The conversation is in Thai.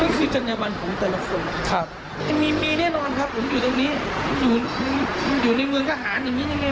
ก็คือจัญญบันของแต่ละคนครับมีมีแน่นอนครับผมอยู่ตรงนี้อยู่ในเมืองทหารอย่างนี้ยังไง